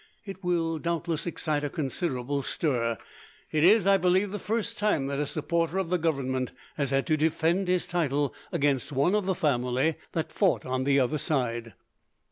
It will doubtless excite a considerable stir. It is, I believe, the first time that a supporter of the Government has had to defend his title against one of the family that fought on the other side."